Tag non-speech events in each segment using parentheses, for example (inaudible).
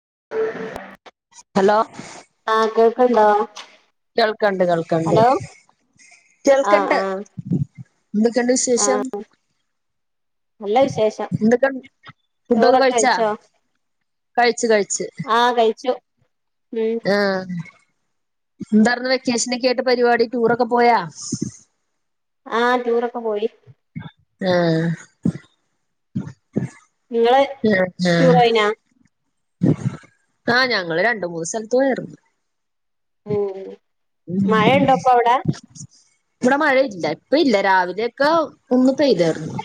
(unintelligible) Hello ക്ക്ണ്ടോ കേൾക്ക്ണ്ട് കേൾക്ക്ണ്ട് ആഹ് കേൾക്ക്ണ്ട് ആഹ് എന്തൊക്കെണ്ട് വിശേഷം ആഹ് നല്ല വിശേഷം എന്തൊക്കെണ്ട് ഫുഡൊക്കെ ചോറൊക്കെ കഴിച്ചാ കഴിച്ച് കഴിച്ച് ആ കഴിച്ചു ഉം ആ എന്തായിരുന്നു വെക്കേഷനൊക്കെ ആയിട്ട് പരിപാടി ടൂറൊക്കെ പോയാ ആ ടൂറൊക്കെ പോയി ആ ങ്ങള് ടൂർ പോയീനോ ആ ഞങ്ങള് രണ്ട് മൂന്ന് സ്ഥലത്ത് പോയാരുന്നു ഏ (unintelligible) ഇവിടെ മഴ ഇല്ല ഇപ്പ ഇല്ല രാവിലെയൊക്കെ ഒന്ന് പെയ്താർന്നു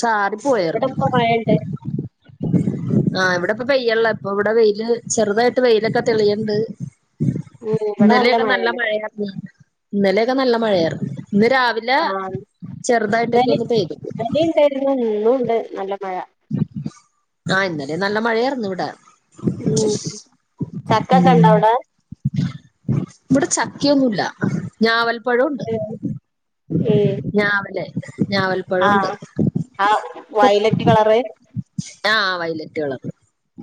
ചാറി ഇവിടെ പോയാർന്നു ഇപ്പൊ മഴണ്ട് ആ ഇവിടെ പ്പം പെയ്യള്ള ഇപ്പൊ ഇവിടെ വെയില് ചെറുതായിട്ട് വെയിലൊക്കെ തെളിയണ്ട് ഉം ഇവടെ നല്ല ക്കെ നല്ല മഴയാണ് മഴയാർന്ന് ഇന്നലെയൊക്കെ നല്ല മഴയാർന്നു ഇന്ന് രാവിലെ ആഹ് ചെറുതായിട്ടൊക്കെ ഇന്നലെ ഒന്ന് പെയ്തു ഇന്നലിം ഇണ്ടായിരുന്നു ഇന്നും ഉണ്ട് നല്ല മഴ ആ ഇന്നലെ നല്ല മഴയായിര്ന്നു ഇവിടെ ഉം ചക്കൊക്കെ ഇണ്ട അവടെ ഇവിടെ ചക്കയൊന്നുല്ല ഞാവൽ ഇപ്പോഴുണ്ട് ഉം ഞാവല് ആ ഞാവൽപ്പഴമുണ്ട് ആ വയലറ്റ് കളറ് ആ വയലറ്റു കളർ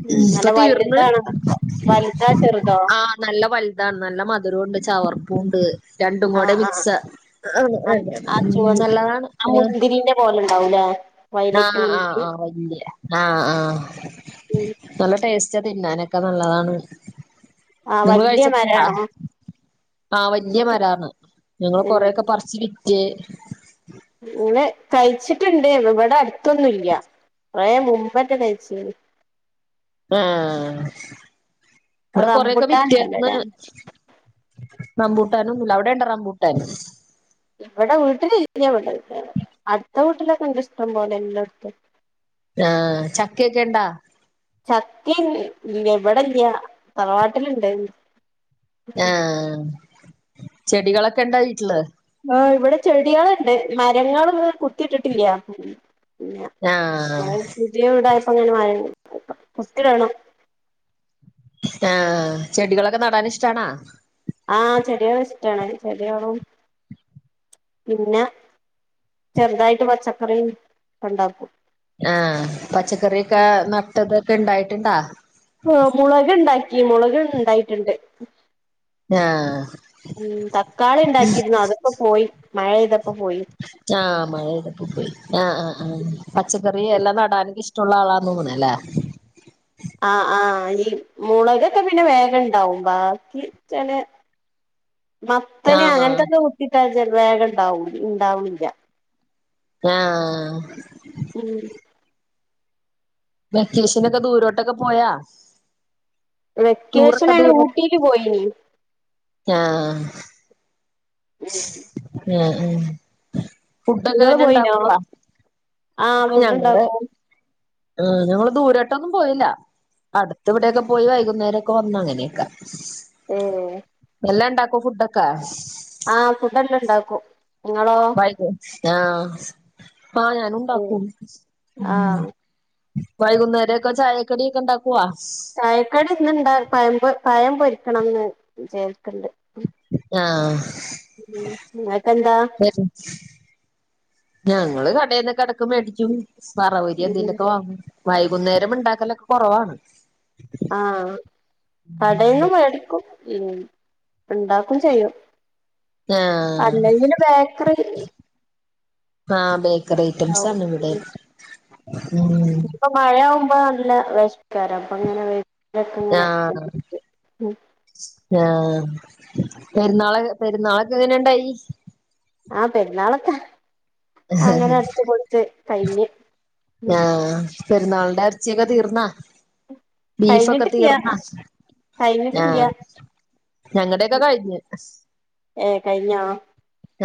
ഉം നല്ല വലുതാണ് പ്പ വലു ആ നല്ല വലുതാന്ന് നല്ല മധുര ഉണ്ട് ചവർപ്പൂണ്ട് രണ്ടും കൂടെ ആഹ് ആഹ് മിക്സ ആഹ് ആഹ് നല്ലതാണ് ആ ണ്ടാവൂലേ ആ ആആവലിയ ആ ആ ഉം നല്ല ടേസ്റ്റ് പച്ച തിന്നാനൊക്കെ നല്ലതാണ് ആ വലിയ മരാണെ ആ വലിയ മരാണ് ഞങ്ങൾ കൊറെക്കെ പറിച്ച് വി കെ ങ്ങള് കഴിച്ചിട്ട്ണ്ട് ഇവിടെ അടുത്തൊന്നുംല്ല്യ കുറേ മുമ്പറ്റെ കഴിച്ച് ആഹ് ഇവിടെ കൊറെയൊക്കെ റംബുട്ടാൻ വിറ്റർന്ന് ഉണ്ടല്ലോല്ലേ റമ്പൂട്ടാൻ ഒന്നുമില്ല അവിടെ ഉണ്ട റമ്പൂട്ടൻ ഇവിടെ വീട്ടിലില്ല ഇവിടെ അടുത്ത വീട്ടിലൊക്കെ ഇണ്ട് ഇഷ്ടം പോലെ എല്ലടത്തും ആ ചക്കയൊക്കെ ഇണ്ടാ ചക്കിം ഇല്ല ഇവിടെല്ല തറവാട്ടിലുണ്ട് ആഹ് ചെടികളൊക്കെ ഉണ്ടാ വീട്ടില് ആ ഇവിടെ ചെടികളുണ്ട് മരങ്ങളൊന്നും കുത്തിട്ടിട്ടില്ല പിന്ന ആഹ് നമ്മള് പുതിയ വീടായപ്പോ അങ്ങനെ മര ഒത്തിരണോ ആഹ് ചെടികളൊക്കെ നടാൻ ഇഷ്ടണാ ആഹ് ചെടികെള ഇഷ്ടാണ് ചെടികളും പിന്നെ ചെറുതായിട്ട് പച്ചക്കറിയും ഉണ്ടാക്കും ആഹ് പച്ചക്കറിഒക്ക നട്ടത് ഉണ്ടായിട്ടുണ്ടാ ആ മുളക് ഉണ്ടാക്കി മുളക് ഉണ്ടായിട്ടുണ്ട് ആഹ് ഉം തക്കാളി ഉണ്ടാക്കിയിരുന്നു അതൊക്കെ പോയി മഴ ഇതപ്പ് ആഹ് മഴ ഇവിടെ ഇപ്പ പോയി ആഹ് ആഹ് ആഹ് പച്ചക്കറി ഇ എല്ലാം നടാൻ ഇഷ്ടമുള്ള ആളാന്ന് തോന്നല്ലേ ആഹ് ആഹ് ഈ മുളൽ ഒക്കെ പിന്നെ വേഗ ഇണ്ടാവും ബാക്കി ചെല മത്തനെ ആഹ് അങ്ങനത്തൊക്കെ കുത്തിട്ടാൽ ചെല വേഗണ്ടാവു ഇണ്ടാവുല്ല ആഹ് വെക്കേഷനൊക്ക ദൂരോട്ടൊക്ക പോയാ ടൂറൊക്കെ വെക്കേഷനാ ദൂര ഊട്ടീല് പോയിനി ആഹ് അ ഉം ങ്ങള് പോയിനോ ആഹ് ഫുഡ്ണ്ടാക്കു ആ ഞങ്ങള് ദൂരോട്ടൊന്നും പോയില്ല അടുത്ത് വ്ടേക്കെ പോയി വൈകുന്നേരൊക്ക വന്ന് അങ്ങനേക്ക ഏഹ് എല്ലാം ണ്ടാ പ്പൊ ഫുഡൊക്ക ആഹ് ഫുഡെല്ല ണ്ടാക്കു വൈ (unintelligible) ആഹ് ആഹ് ഞാനു ണ്ടാക്കും ആഹ് വൈകുന്നേര ക്ക ചായക്കടി ഒക്ക ണ്ടാക് ചായക്കടി ന്ന് ണ്ടാ പയമ്പൊ പഴം പൊര്ക്കണംന്ന് വിചാര്ക്ക്‌ണ്ട് ആഹ് ങ്ങ ക്കെന്താ ങ്ങള് കടേന്നൊക്ക എടക്ക്‌ മേട്ക്കും സറവരി എന്തേലൊക്കെ വാങ്ങും വൈ വകുന്നേരം ഉണ്ടാക്കലൊക്കെ കൊ റവാണ് ആഹ് കടേന്നും വേടിക്കും ഉം ണ്ടാക്കും ചെയ്യു ആഹ് അല്ല ഇങ്ങന ബേക്കറി ആഹ് ബേ ക്കറി ഐറ്റംസാണ് വ്ടെ ഇപ്പ മഴ യാവു മ്പ ല്ല വെഷ് ക്കാര പ്പ അങ്ങനെ വെ ആഹ് (unintelligible) (unintelligible) ഉം ആഹ് പെര്ന്നാള് പെരുന്നാളൊക്ക എങ്ങനെണ്ടായി ആഹ് പെരുന്നാളത്താ അങ്ങനെ അടിച്ചു പോളിച്ച് കഴിഞ്ഞ് ഉം ആ പെരുന്നാളിന്റെ എറച്ചിയൊക്കെ തീർന്നാ ബീഫൊക്കെ കഴിഞ്ഞിട്ടില്ല തീർന്ന ആ കഴിഞ്ഞിട്ടില്ല ഞങ്ങടെയൊക്കെ കഴിഞ്ഞു ഏഹ് കഴിഞ്ഞോ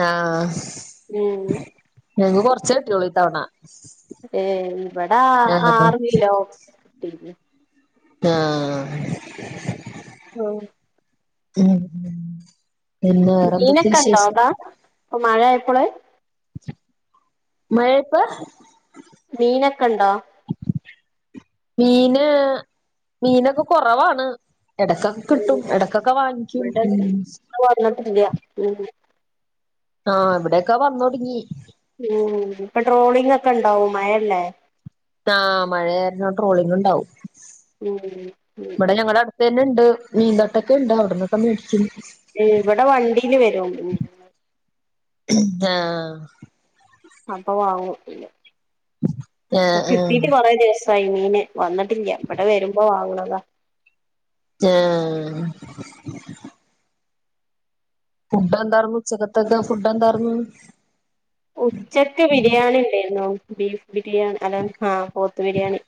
ആ ഉം ഞങ്ങക്ക കൊറച്ച് കിട്ടിയോൾ ഇത്തവണ ഏ ഇവിടാ ആഹ് ആറ് കിലോ കിട്ടി ആ ആ പിന്ന മീനൊക്കെ ഉണ്ടോ അതാ ഇപ്പ മഴ ആയപ്പോള് മഴയിപ്പ മീനൊക്കെണ്ടോ മീന് മീനൊക്കെ കുറവാണ് ഇടക്കൊക്കെ കിട്ടും ഉം ഇടക്കൊക്കെ വാങ്ങിക്കും ഇവിടെ ഉം വന്നിട്ടില്ല ഉം ആ ഇവിടെക്ക വന്ന് തുടങ്ങി ഉം ഇപ്പൊ ട്രോളിങ് ഒക്കെ ഉണ്ടാവും മയല്ലേ ആ മഴയാരുന്ന ട്രോളിങ് ഉണ്ടാവും ഉം ഉം തന്നെണ്ട് മീൻ തട്ടൊക്കെ ഉണ്ട് അവിടന്നൊക്കെ മേടിക്കുന്നു ഉം ഇവിടെ വണ്ടീല് വരും മീ ആ അപ്പൊ വാങ്ങും പിന്ന ആഹ് ഇപ്പ ആഹ് കിട്ടീട്ട് കൊറെ ദിവസം സൈമീന് വന്നിട്ടില്ല ഇവിടെ വരുമ്പോ വാങ്ങണതാ ആ ഫുഡ് എന്താരുന്നു ഉച്ചക്കത്ത ഫുഡ് എന്താർന്നു ഉച്ചക്ക് ബിരിയാണി ഉണ്ടായിരുന്നു ബീഫ് ബിരിയാണി അല്ല ആ പോത്ത് ബിരിയാണി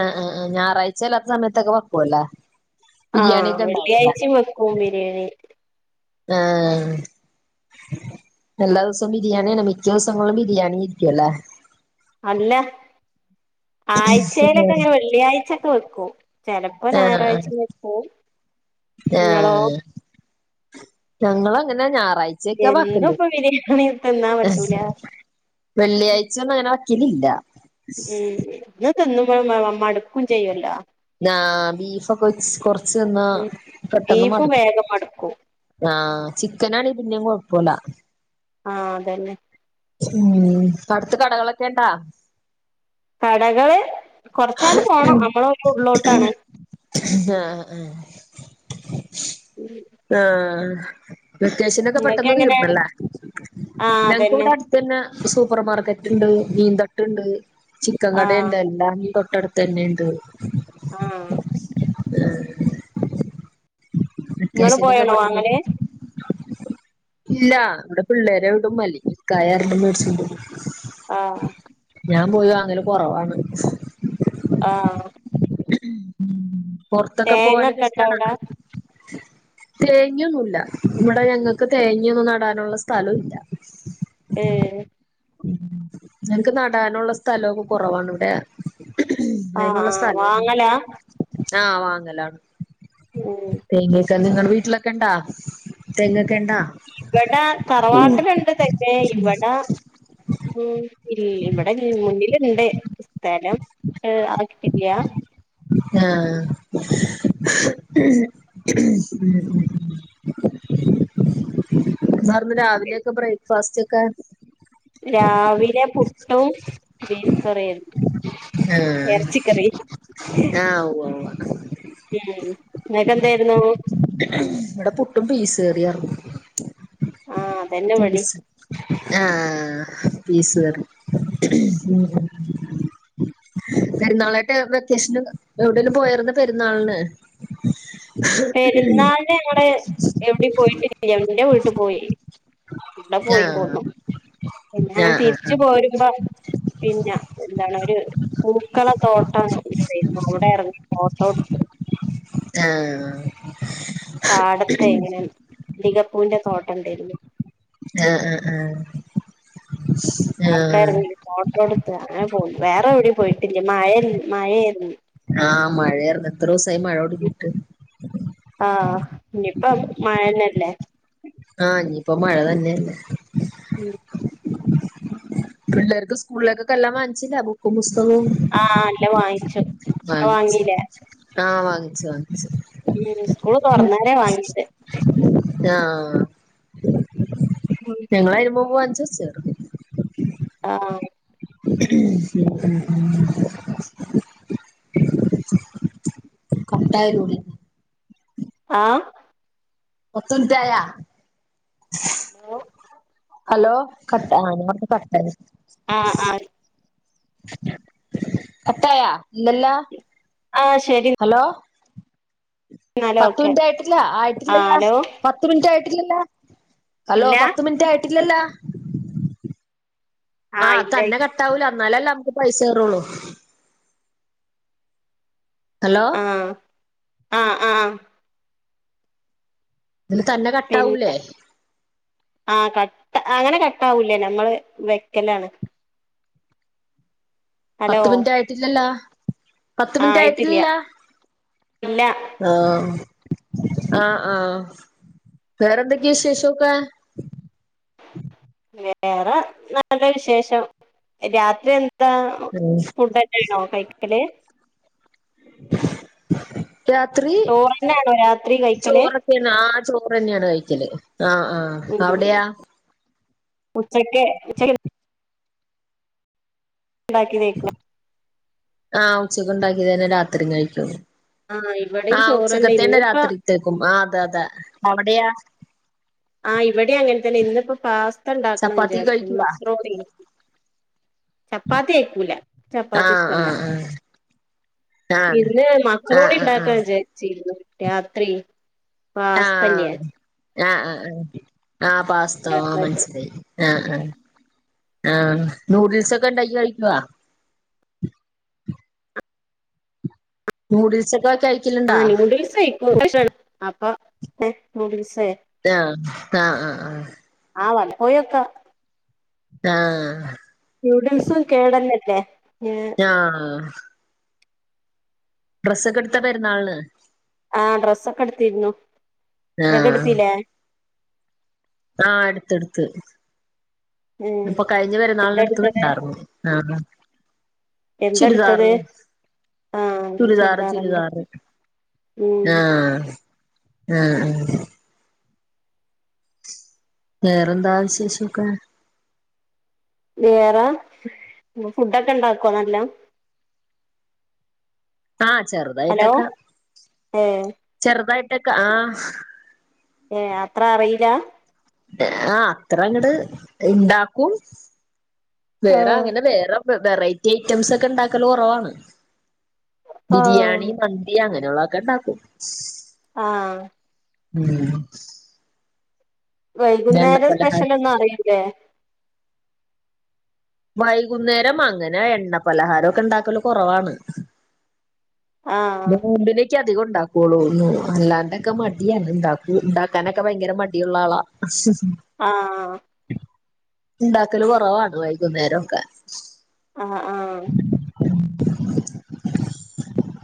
ആ ആ ആ ഞായറാഴ്ച അല്ലാത്ത സമയത്തൊക്കെ വെക്കുവല്ലേ ആ ബിരിയാണി ഒക്കെ ഉണ്ടാവൂല്ലേ വെള്ളിയാഴ്ച വെക്കും ബിരിയാണി ആ എല്ലാ ദിവസവും ബിരിയാണിയാണ് മിക്ക ദിവസങ്ങളും ബിരിയാണി ഇരിക്കുംല്ലേ അല്ല ആഴ്ചയിലൊക്കെ അങ്ങനെ വെള്ളിയാഴ്ചൊക്കെ വെക്കൂ ചെലപ്പോ ആഹ് ആഹ് ഞായറാഴ്ചയും വെക്കും നിങ്ങളോ ആഹ് ഞങ്ങളങ്ങനെ ഞാ റാഴ്ചക്കെ വാക്കല്ലേ എന്നുംപ്പൊ ബിരിയാണി തിന്നാൻ പറ്റൂല വെള്ളിയാഴ്ച ഒന്നും അങ്ങനെ വെ വെക്കലില്ല ഉം എന്നും തിന്നുമ്പോ മടുക്കും ചെയ്യുമല്ലോ ആ ബീഫൊക്കെ കൊറച്ച് തിന്നാ പെട്ടെന്ന് ബീഫും മടുക്കും വേഗം മടുക്കും ആ ചിക്കനാണെങ്കി പിന്നേം കൊഴപ്പമില്ല ആ അതന്നെ ഉം അടുത്ത് കടകളൊക്കെണ്ടാ കടകൾ കൊറച്ചങ്ങട്ട് പോണം നമ്മള കുറച്ച് ഉള്ളിലോട്ടാണ് ആ വെക്കേഷനൊക്കെ നിങ്ങക്ക് പെട്ടെന്ന് എങ്ങനെ തീർന്നല്ലേ ആ അതന്നെ ഞങ്ങക്കിവിടെ അടുത്ത് തന്നെ സൂപ്പർമാർക്കറ്റ്ണ്ട് മീൻ തട്ടുണ്ട് ചിക്കൻ ആ കടയിണ്ട് എല്ലാംണ്ട് തൊട്ടടുത്ത് തന്നെയുണ്ട് ആ ഉം നിങ്ങള് പോയാണോ വാങ്ങല് ഇല്ല ഇവിടാ പിള്ളേരെ വിടും അല്ലെങ്കി ഇക്കായരേങ്കിലും മേടിച്ചോണ്ട് വരും ആ ഞാൻ പോയി വാങ്ങല് കൊറവാണ് ആ പൊറത്തൊക്കെ പോവാനൊക്കെ തേങ്ങൊക്കെ ഇണ്ട ഇഷ്ടാണ അവിടെ തേങ്യോന്നുല്ല ഇവിടെ ഞങ്ങക്ക് തേങ്യോന്നും നടാനൊള്ള സ്ഥലോംല്ല ഉം ഉം ഞങ്ങക്ക് നടാനുള്ള സ്ഥലമൊക്കെ കുറവാണ് ഇവിടെ ആഹ് ആഹ് വ ങ്ങലാ ആ, വാങ്ങലാണ് ഒ ഓ നിങ്ങടെ വീട്ടിലൊക്കെ ഉണ്ടാ, തെ ഇവിടെ തറവാട്ടിലുണ്ട് തന്നെ, ഇവിടെ ഉം ഇൽ, ഇവിടെ മുന്നിലുണ്ട് സ്ഥലം ആ (unintelligible) ആ, സാറിന് രാവിലെയൊക്കെ ബ്രേക്ക്ഫാസ്റ്റ്ക്കെ രാവിലെ (unintelligible) ബീഫ് കറിം ആഹ് ഇറച്ചിക്കറി, ആഹ് ഉവ്വ ഉവ്വ ഉം ങ്ങക്ക് എന്തായിരുന്നു ഇവിടെ പുട്ടും (unintelligible) ആഹ് അതന്നെ ഇവിടേം പീസ് ആ പീസ് കറി പെരുന്നാളായിട്ട് വെക്കേഷന് എവിടെലും പോയാരുന്നൊ പെരുന്നാളിന് പെരുന്നാളിന് ഞങ്ങടെ എവിടെ പോയിട്ടില്ല, എന്റെ വീട്ടിൽ പോയി അവിടെ പോയി ആഹ് പോന്നു, പിന്നെ ഞങ്ങൾ തിരിച്ച ആഹ് പോരും പിന്നെ എന്താണ് ഒരു പൂക്കള തോട്ടം ഉണ്ടാരുന്നു അവിടെ ഇറങ്ങി ഫോട്ടോ എടുത്ത് ആഹ് ആഹ് പാടത്തെ എങ്ങനെ തികപ്പൂവിന്റെ തോട്ടം ഉണ്ടായിരുന്നു ആ, ആ ആ അന്നാരുന്നു, ഫോട്ടോ എടുത്ത് അങ്ങനെ പോയി, വേറെ എവിടെയും പോയി മഴ, മഴയായിരുന്നു ആ, മഴായിരുന്നു എത്ര ദിവസമായി മഴ തുടങ്ങീട്ട് ആഹ് ഇനിയിപ്പം മഴന്നല്ലേ ആ ഇനിയിപ്പോ മഴ തന്നെയല്ലേ ഉം പിള്ളേർക്ക് സ്കൂളിലേക്കൊക്കെല്ലാ വാങ്ങിച്ചില്ലേ ബുക്കും, പുസ് ആ, അല്ല വാങ്ങിച്ചു വാങ്ങിച്ച് വാങ്ങീല്ലേ (unintelligible) ഉം, സ്കൂള് തുറന്നാലേ വാങ്ങിട്ട് ആ ഉം ഞങ്ങൾ അതിനു മുമ്പേ വാങ്ങിച്ച് (unintelligible) ചെറുത് ആ (unintelligible) (unintelligible) (unintelligible) ആ പത്ത് മിനിറ്റായ ഹലോ ഹലോ കട്ട ആഹ് ഞാനിവ്ട്ന്ന് കട്ടായിന്ന് ആ ആ കട്ടായ ഇല്ലല്ലോ ആഹ് ശരി ഹലോ എന്നാല് പത്ത് ഓക്കെ മിനിറ്റ് ആയിട്ടില്ല. ആഹ് ആയിട്ടില്ലല്ലോ ഹലോ പത്ത് മിനിറ്റ് ആയി ട്ടില്ലല്ലോ ഹലോ ഇല്ല പത്ത് മിനിറ്റ് ആയിട്ടില്ലല്ലോ ആഹ് അത് തന്നെ കട്ടാവൂല എന്നാലല്ലേ നമ്മക്ക് പൈസ കേറോള്ളൂ. ഹലോ ആഹ് ആഹ് ആഹ് ഇതില് തന്നെ കട്ടാവൂലേ? പിന്നെ ആഹ് കട്ട അങ്ങനെ കട്ടാവൂല ഞമ്മള് വെക്കലാണ്. ഹലോ പത്ത് മിനിറ്റ് ആയിട്ടില്ലല്ലോ പത്ത് ആഹ് മിനിറ്റ് ആയിട്ടില്ല ആയിട്ടില്ലല്ല ഇല്ല ആ ആഹ് ആഹ് വേറെന്തൊക്കെയാ വിശേഷോക്കെ വേറെ നല്ല വിശേഷം രാത്രി എ ന്ത ഉം ഫുഡെന്നെ ആണോ കൈക്കല്. രാത്രി ചോറ്ന്നെയാണോ രാത്രി കഴിക്കല് ചോറൊക്കാണോ ആ ചോ റെന്നെയാണ് കഴിക്കല്. ആഹ് ആഹ് അവിടെയാ ഉച്ചക്കെ ഉച്ചയ്ക്കെ ഇണ്ടാക്കിയതേക്കും. അ ഉച്ചക്ക് ഉണ്ടാക്കിയതെന്നെ രാത്രിയും കഴിക്കോള്ളൂ. ആഹ് അ ഇവിടെയും ചോറ്ന്നെ ഉച്ചക്കത്തന്നെ ഇന്നിപ്പ രാത്രിത്തേക്കും ആ അതെ അതെ അവിടെയ ആഹ് ഇവിടെം അങ്ങനെ തന്നെ ഇന്നിപ്പോ പാസ് ത ഇണ്ടാക്കണം ചപ്പാത്തി വിചാരിച്ചീനു കഴിക്കുവാ മക്രോണിയെ. ചപ്പാത്തി കയ്ക്കൂല ചപ്പാത്തി ആഹ് ഇഷ്ടല്ല. ആഹ് ആഹ് ഇന്ന് മക്രോണി ആഹ് ആഹ് ആഹ് ഇണ്ടാക്ക വിചാരിച്ചിരുന്നു. രാത്രി ആഹ് പാസ്ത ഇല്ല്യേ ആഹ് ആഹ് ആഹ് ആപാസ്തോ അ മനസിലായി ആആ ആഹ് നൂഡിൽസ് ഒക്കെ ഇണ്ടാക്കി കഴിക്കോ? ന്യൂഡിൽ സൊക്കെ ആന്യൂഡിൽസ് കയിക്കും (unintelligible) അപ്പൊ (unintelligible) ന്യൂഡിൽസ് ആയാ ആ ആ ആആ ആ വലപ്പോയൊക്ക ആ നൂഡിൽസും കേടന്നല്ലേ ഏഹ് ഞആ ഡ്രസ്സൊക്കെ എടുത്തൊ പെരുന്നാൾന് ആ ഡ്രസ്സക്കെ എടുത്തിരുന്നു ങ്ങക്ക് എടുത്തിലേ ആ എടുത്ത്ടുത്ത് ഉം അപ്പൊ കഴിഞ്ഞ പെരുന്നാളിനടുത്തത് എന്തെടുത്തത് ണ്ടായിരുന്നു ആ എന്തെടുത്തത് ചുരിദാറ് ആഹ് ചുരിദാറ് ചുരിദാറുണ്ട് ചുരിദാറ് ഉം ആ ആആ വേറെന്താ വിശേഷക്കെ വേറെ ഇയ്യ് ഫുഡൊക്കെ ഇണ്ടാക്കോ നല്ലോ ആ ഹലോ ചെറുതായിട്ടൊക്കെ ഏഹ് ചെറുതായിട്ടൊക്കെ ആ ഏഹ് അത്ര അറിയില്ല ആ അത്ര അങ്ങട് ഇണ്ടാക്കും വേറെ ആഹ് അങ്ങനെ വേറെ വെറൈറ്റി ഐറ്റംസ് ഒക്കെ ണ്ടാക്കല് കുറവാണ് ആഹ് ബിരിയാണി മന്തി അങ്ങനെ (unintelligible) ഇണ്ടാക്കും ആ ഉം എണ്ണ വൈകുന്നേരം സ്പെഷ്യല പലഹാരം ന്നും അറിയൂല്ലേ വൈകുന്നേരം അങ്ങനെ എണ്ണ പലഹാരക്കെ ഇണ്ടാക്കല്കുറവാണ് ആഹ് പിന്നെ നോമ്പ് നെക്കെ അധികുഉണ്ടാക്കുള്ളൂ അല്ലാണ്ടൊക്കെ മടിയാണ് ഇണ്ടാകൂ ഇണ്ടാക്കാനൊക്കെ ഭയങ്കര മടിയുള്ള ആളാ ആ ഇണ്ടാക്കല് കുറവാ (unintelligible) വൈകുന്നേരം ക്കെ ആ ആ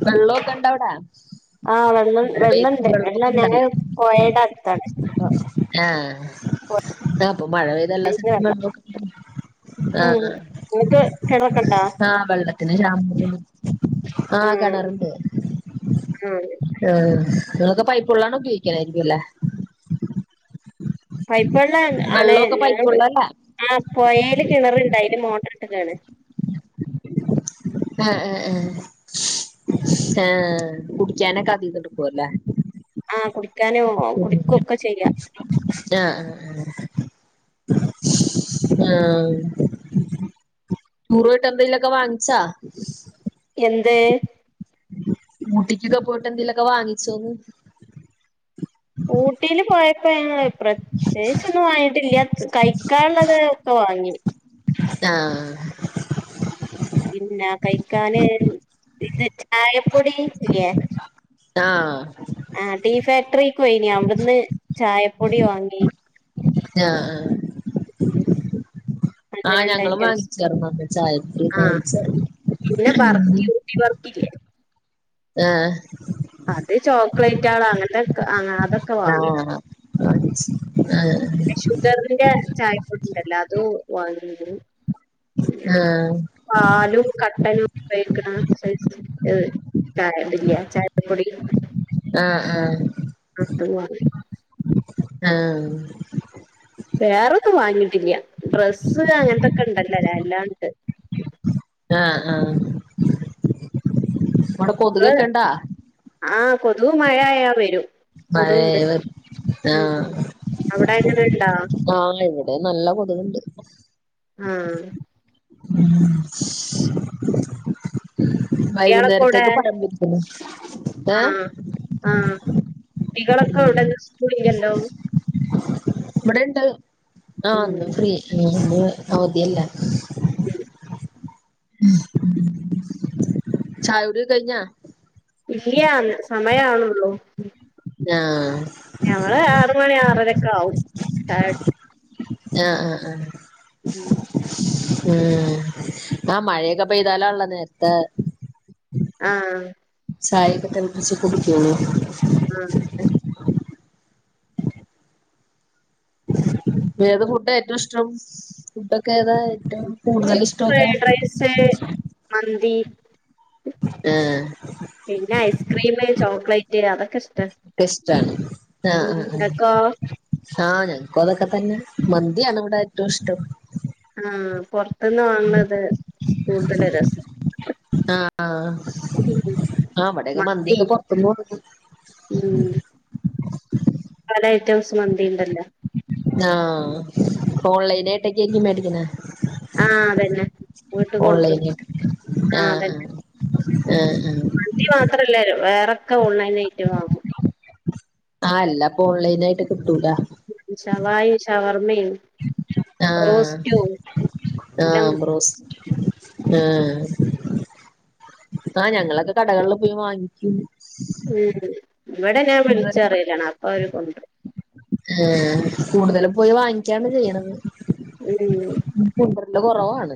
വെള്ളക്കെ ഇണ്ടവിടെ ആഹ് വെള്ളം മഴ വെള്ളണ്ട് പെയ്ത്‌ട്ട് വെള്ളക്കെ വെള്ളം ഇണ്ടല്ല ഞങ്ങള് പൊഴയുടെ അടുത്താണ് അപ്പൊ ആ (unintelligible) ഇപ്പൊ മഴ പെയ്തല്ലാം പൊഴീന്ന് സ്ഥൽതും വെള്ളം വെളളക്കെണ്ട് ഉം നിങ്ങക്ക് കിണറൊക്കണ്ട പിന്നെ (unintelligible) ആഹ് കാണാറുണ്ട് ആഹ് ആഹ് ഇതിലെക്കെ പൈപ്പ് വെള്ളാണ് ഉപയോഗിക്കാനായിരിക്കും അല്ലേ പൈപ്പ് വെള്ള ആണ് വെള്ളമൊക്കെ പൈപ്പ് ഞ വെള്ളല്ലേ ആ പുയൽ കിണറുണ്ട് അതില് മോ ഇട്ടക്കാണ് ആഹ് ആ ആഹ് ആഹ് കുടിച്ചാനൊക്ക അതീന്ന് എടുക്കുംഅല്ലേ ആ കുടിക്കാൻ ക്കാനോ കുടിക്കുവൊക്കെ ചെയ്യ ആഹ് ആഹ് ആഹ് (unintelligible) വാങ്ങിച്ചാ എന്തേ ഊട്ടിക്കൊക്കെ പോയിട്ട എന്തിലൊക്കെ വാങ്ങിച്ചോന്ന് (unintelligible) പ്രത്യേകിച്ച് ഒന്നും വാങ്ങിട്ടില്ല കഴിക്കാള്ളത് പ്പ വാങ്ങി ആ പിന്നാ കഴിക്കാന് ഇത് ചായപ്പൊടി ഇല്ലേ ആ ട്രിക്ക് പോയിനി അവ്ട്ന്ന് ചായപ്പൊടി വാങ്ങി ആ നല്ല ആ ആ രണ്ട് ഞങ്ങളും ഐറ്റംസ് വാങ്ങിച്ചർന്ന് അന്ന് ചായപ്പൊടി ഒക്കെ ആഹ് വാങ്ങിച്ചാർന്നു പിന്നെ ബർഫി ഊട്ടി ബർഫില്ലേ ആ അത് ചോക്ലേറ്റാൾ അങ്ങനത്തെക്കെ അ അതൊക്കെ വാങ്ങി ആഹ് വാങ്ങിച്ച് ആഹ് പിന്നെ ഷുഗറിന്റെ ചായപ്പൊടിണ്ടല്ലോ അതു വാങ്ങിക്ക്ൺ പിന്നെ ആഹ് പാലും കട്ടനും ചെയ്ക്കണ സൈസ് ഹ് ചായയില്ല ചായപ്പൊടി ആഹ് ആഹ് അത് വാങ്ങി ആ വേറെന്നും വാങ്ങിട്ട് ടില്ല ഡ്രസ്സ് അങ്ങൻത്തൊക്കെ ഇണ്ടല്ലോ ലെ എല്ലാണ്ട് ആ ആ മ്മടെ കൊതുകൊക്കെ ഇണ്ടാ കൊതു മഴ ആയാ വെരും മഴയേത് ആ അവിടെ എങ്ങനെ ഇണ്ടാ ആന്നിവിടെ നല്ല കൊതക്ണ്ട് ആഹ് കുട്ടികളൊക്കെ എവിടെ വൈകുന്നേരത്തേക്ക് പഴം പൊരിക്കുന്നു ഏഹ് ട്ടികളൊക്കെ എവ്ടെ ഇന്ന് സ്കൂളില്ലല്ലോ ഇവടെ ഇണ്ട് ആഹ് ഉം ന്ന് ഫ്രീ ഇന്ന് അവധി അല്ല (inaudible) (inaudible) ചായകുടി കഴിഞ്ഞാ ഇല്ല്യാന്ന് സമയാണൊള്ളോ ഞാഹ് ഞങ്ങള് ആറ് മണി ആറരെക്കാവും ചായ ഞ ആ ആ ഉം ഉം ആ മഴയക്കെ പെയ്താലാള്ള നേരത്തേ ആഹ് ചായൊക്കെ തെളപ്പിച്ച് കുടിക്കൂളൂ ആഹ് ഏത് ഫുഡാ ഏറ്റം ഇഷ്ടം ഫുഡൊക്കെ താ ഏറ്റവും കൂടുതൽ ഇഷ്ടൊക്ക ഫ്രൈഡ് റൈസ് മന്തി ഏ പിന്നെ ഐസ്ക്രീംമ് ചോക്ലേറ്റ് അത (unintelligible) ഷ്ടാണ് റ്റാ ആഹ് ആഹ് നിനക്കോ ആഹ് ആ ഞ അതൊക്ക തന്നെ മന്തിയാണ് ഇവിട ഏറ്റോം ഇഷ്ടം പൊർ അതിന്നാ വന്നത് കൂട്തല് രസം ആഹ് ഉം. ആ അവടെയക്കെ മന്തി മന്തിയക്കെ പൊർത്തന്ന് കൊണ്ട്രും (inaudible) ഉം പല ഐറ്റംസ് മന്തിയിണ്ടല്ലോ ആഹ് ഓൺലൈൻ ആയിട്ടൊക്കെ ആയിരിക്കും മേടിക്കുന്നെ ആ അതന്നെ വീട്ട് കൊണ്ട്രും ഓൺലൈനായിട്ട് ആ ആഹ് അതന്നെ ആഹ് ആഹ് ആഹ് മന്തി മാത്രല്ലേ വേ തക്ക ഓൺലൈനായിറ്റ് വാങ്ങും ആ അല്ലപ്പൊ ഓൺലൈനായിട്ട് കിട്ടൂലാ ഷവായി ഷവർ മ്മേ ആഹ് റോസ്‌ക്യൂ എല്ലാം കി ആ ആ ഞങ്ങളൊക്കെ കടകെളിൽ പോയി വാങ്ങിക്കും ഉം ഇവിടെ ഞാൻ വിളിച്ച് പറയലാണ് അപ്പ അവര് കൊണ്ട്റും ആഹ് കൂടുതലും പോയി വാങ്ങിക്കാണ് ചെയ്യ്ണത് ഉം ണ്ട് കൊറവാണ്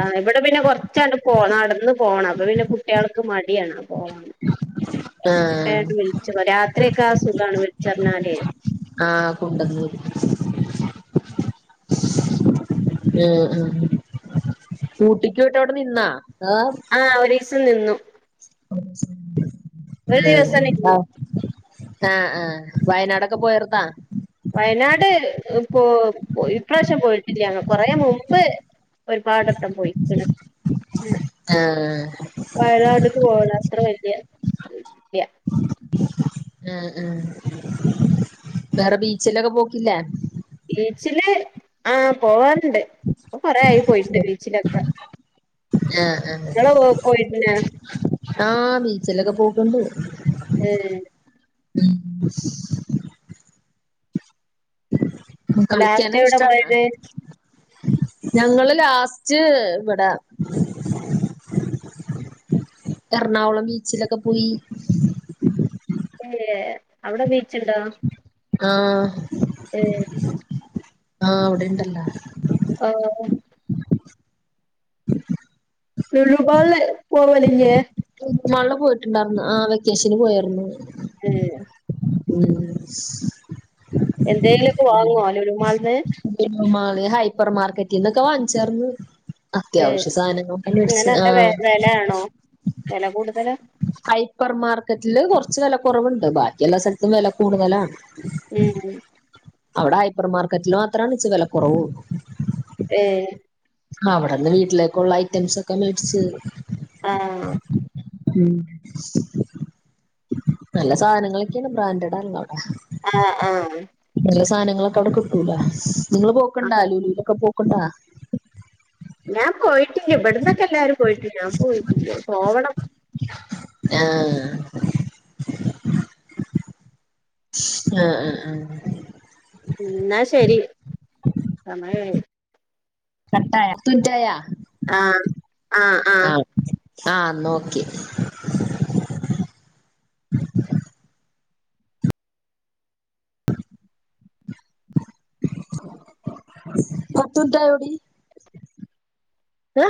ആഹ് ഇവിടെ പിന്നെ കൊറച്ചാണ്ട് ക്ക് മട് ടിയാണ് പോവാൻ അപ്പെ ആഹ് ഞാൻ വിളിച്ച് പറിം രാത്രിയൊക്കെ ആ സുഖമാണ് വിൾച്ച് പറഞ്ഞാല് ആ കുണ്ടന്നൂര് ഉം ഉം ഊട്ടിക്ക് പോയിട്ട് അവിടെ നിന്നാ ആഹ് ആ ഒരീസം നിന്നു ഒരു ദിവസം ആ നിന്നു ആ ആ വയനാടൊക്കെ പോയാർന്നോ വയനാട് പോ ഇപ്രാവശ്യം പോയിട്ടില്ല കൊറെ മുമ്പ് ഒരുപാടൊട്ടം പോയിക്കണ് ആഹ് വയനാട്ക്ക് പോണ അത്ര വലിയ ഇല്യ ആ ആ വേറെ ബീച്ചിലൊക്ക പോക്കില്ലേ ഈച്ചില് ആ പോവാൻ ണ്ട് കൊറേയായി പോയിട്ട് ബീച്ചിലൊക്ക ആഹ് ഇങ്ങള് പോ പോയിട്ടിന്നാ ആ ബീച്ചിലൊക്കെ പോക്കുണ്ട് ഏ (unintelligible) ലാസ്റ്റ് കളിക്കാനൊക്ക എവിടെ ഇഷ്ടാണാ പോയത് ഞങ്ങള് ലാസ്റ്റ് ഇവിട എറണാകുളം ബീച്ചിലൊക്ക പോയി ഏ അവിടെ ബീ ച്ചുണ്ടോ ആ ഏ ആഹ് അവിടെണ്ടല്ല ആ നെലു പാല് പോവലില്ലേ മാളില് പോയിട്ടുണ്ടായിരുന്നു ആ വെക്കേഷന് പോയാരുന്നു ഏ ഉം എന്തേലുക്ക വാങ്ങുവോ ലുല്ലുമാൾന്ന് മാള് ഹൈപ്പർ മാർക്കറ്റിന്നൊക്ക വാങ്ങ്ച്ചാർന്ന് ഏഹ് അത്യാവശ്യ സാധനങ്ങക്കെ മെഡസി ആ വില കൂടുതല് ഹൈപ്പർ മാർക്കറ്റില് കുറച്ച് വില കുറവുണ്ട് ബാക്കിയയെല്ലാ സ്ഥലത്തും വില കൂടുതലാണ് ഉം അവിടെ ഹൈപ്പർ മാർക്കറ്റിൽ മാത്രമാണ് ഇച്ച വില കുറവ് ഏ ആ അവിടെന്ന് വീട്ടിലേക്കുള്ള ഐറ്റംസ് ഒക്കെ മേടിച് ആഹ് ഉം നല്ല സാധനങ്ങളൊക്കെയാണ് ബ്രാന്റടാണ് അവിടെ ആ ആ നല്ല സാധനങ്ങളൊക്കെ അവിടെ കിട്ടൂല നിങ്ങള്ൾ പോക്കണ്ട ആഹ് അ ലൂലലൊക്കെ പോ കുണ്ടാ ലാം പോയിട്ടില്ല ഇവിടുന്നൊക്കെ എല്ലാരും പോയിട്ടില്ല ഞാൻ പോയിട്ടില്ലേ പോവണം ആഹ് ആഹ് ആഹ് ആഹ് എന്നാ ശരി സമയമായി കട്ടായ പത്തു മിനിറ്റ് ആയ ആ ആ ആ ആ നോക്കി (unintelligible) ഏ